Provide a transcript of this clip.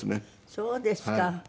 そうですか。